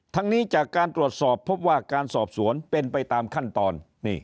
นี้จากการตรวจสอบพบว่าการสอบสวนเป็นไปตามขั้นตอน